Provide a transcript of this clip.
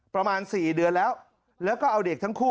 ประมาณ๔เดือนแล้วแล้วก็เอาเด็กทั้งคู่